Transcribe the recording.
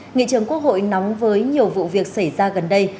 nghị trường quốc hội nóng với nhiều vụ việc xảy ra gần đây